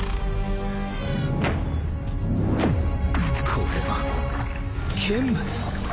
これは剣舞！？